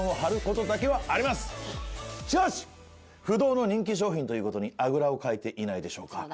しかし不動の人気商品という事にあぐらをかいていないでしょうか？